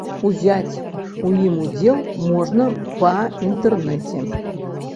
Узяць у ім удзел можна па інтэрнэце.